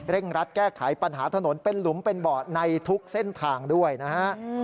รัดแก้ไขปัญหาถนนเป็นหลุมเป็นเบาะในทุกเส้นทางด้วยนะฮะ